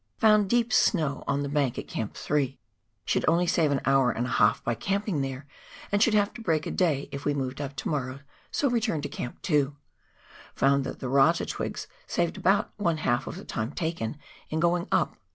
Found deep snow on the bank at Camp 3 ; sbould only save an hour and a half by camping there, and should have to break a day if we moved up to morrow, so returned to Camp 2. Found that the rata twigs saved about one half of the time taken in going up.